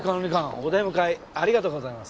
お出迎えありがとうございます。